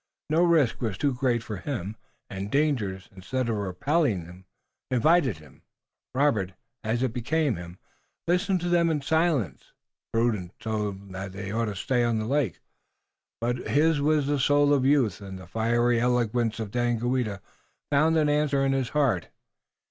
No risk was too great for him, and dangers, instead of repelling, invited him. Robert, as became him, listened to them in silence. Prudence told him that they ought to stay on the lake, but his was the soul of youth, and the fiery eloquence of Daganoweda found an answer in his heart.